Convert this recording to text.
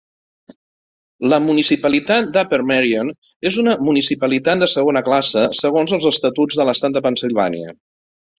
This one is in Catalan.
La municipalitat d'Upper Merion és una municipalitat de segona classe segons els estatuts de l'estat de Pennsilvània.